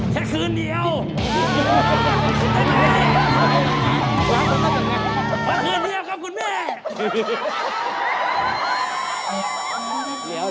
แค่คืนเดียว